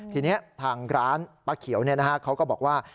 ทีนี้ทางร้านป้าเขียวเขาก็บอกว่า